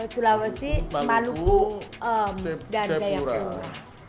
sulawesi maluku dan jayapura